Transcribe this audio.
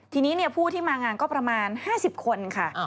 ทีนี้ผู้ที่มางานก็ประมาณ๕๐คนค่ะ